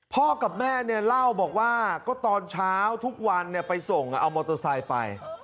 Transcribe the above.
พ่อกับแม่เนี่ยเล่าบอกว่าก็ตอนเช้าทุกวันไปส่งเอามอเตอร์ไซค์ไป